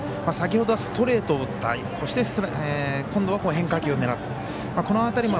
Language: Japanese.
先ほどはストレートを打った今度は変化球を狙った。